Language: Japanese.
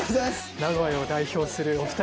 名古屋を代表するお二人。